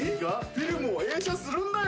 フィルムを映写するんだよ。